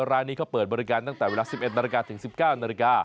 ร้านนี้เขาเปิดบริการตั้งแต่วินาทรกษ์๑๑นรถึง๑๙นร